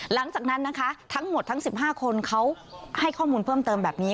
หลังจากนั้นนะคะทั้งหมดทั้ง๑๕คนเขาให้ข้อมูลเพิ่มเติมแบบนี้